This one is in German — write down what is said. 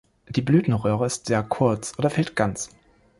Die Blütenröhre ist sehr kurz oder fehlt ganz.